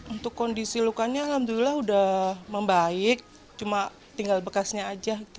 untuk kondisi lukanya alhamdulillah udah membaik cuma tinggal bekasnya aja